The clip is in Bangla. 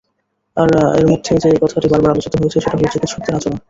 এর মধ্যে যে কথাটি বারবার আলোচিত হয়েছে, সেটা হলো চিকিৎসকদের আচরণ।